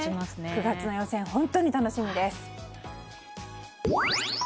９月の予選、本当に楽しみです。